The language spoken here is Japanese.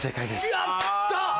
やった！